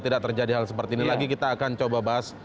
tidak terjadi hal seperti ini lagi kita akan coba bahas